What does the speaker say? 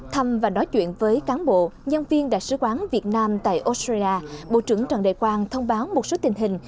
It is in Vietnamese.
thăm và nói chuyện với cán bộ nhân viên đại sứ quán việt nam tại australia bộ trưởng trần đại quang thông báo một số tình hình